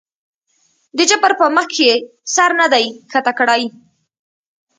د جبر پۀ مخکښې سر نه دے ښکته کړے